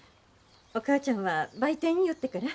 お母ちゃんは売店寄ってから。